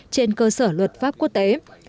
trên cơ sở luật pháp quốc tế